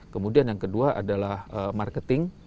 kemudian yang kedua adalah marketing